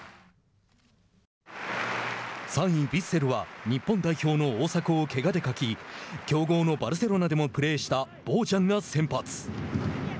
３位ヴィッセルは日本代表の大迫をけがで欠き強豪のバルセロナでもプレーしたボージャンが先発。